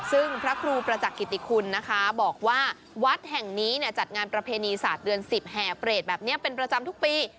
ซึ่งพระครูประจักษิติคุณนะคะบอกว่าวัดแห่งนี้จัดงานประเพณีศาสตร์เดือน๑๐แห่เปรตแบบนี้เป็นประจำทุกปี